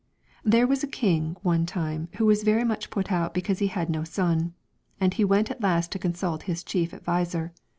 There was a king one time who was very much put out because he had no son, and he went at last to consult his chief adviser.